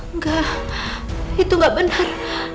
enggak itu gak benar